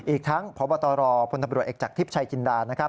อีกทั้งพตพลเอกจากทิพย์ชัยกินดา